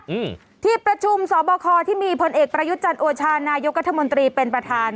อืมที่ประชุมสอบคอที่มีพลเอกประยุทธ์จันทร์โอชานายกรัฐมนตรีเป็นประธาน